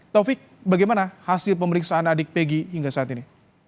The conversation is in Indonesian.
taufik bagaimana hasil pemeriksaan adik pegi hingga saat ini